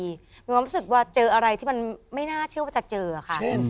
มีความรู้สึกว่าเจออะไรที่มันไม่น่าเชื่อว่าจะเจอค่ะ